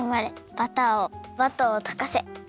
バターをバターをとかせ。